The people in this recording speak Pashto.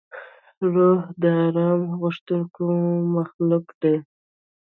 روح د آرام غوښتونکی مخلوق دی.